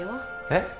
えっ？